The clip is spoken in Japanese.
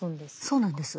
そうなんです。